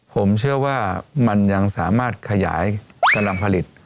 ผมเชื่อว่ามันยังสามารถขยายกำลังผลิต